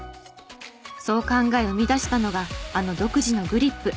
そう考え生み出したのがあの独自のグリップ。